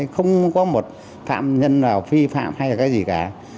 không có một phạm nhân nào phi phạm hay gì cả